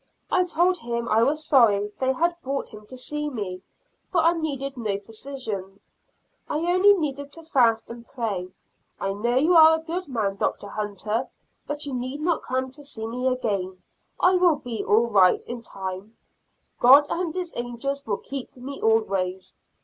I told him I was sorry they had brought him to see me, for I needed no physicians, I only needed to fast and pray. "I know you are a good man, Dr. Hunter, but you need not come to see me again; I will be all right in time; God and His angels will keep me always."